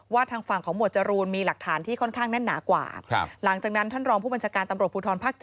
ทางฝั่งของหมวดจรูนมีหลักฐานที่ค่อนข้างแน่นหนากว่าหลังจากนั้นท่านรองผู้บัญชาการตำรวจภูทรภาค๗